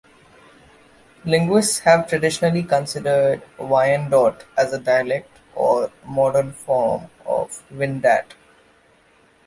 Linguists have traditionally considered Wyandot as a dialect or modern form of Wendat.